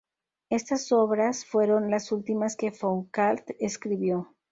Estas obras fueron las últimas que Foucault escribió.